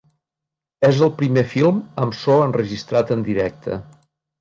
És el primer film amb so enregistrat en directe.